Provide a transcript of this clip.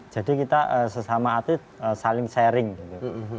jadi kita sesama hati saling sharing gitu